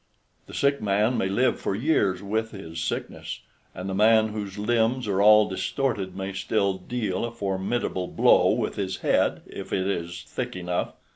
"The sick man may live for years with his sickness, and the man whose limbs are all distorted may still deal a formidable blow with his head, if it is thick enough.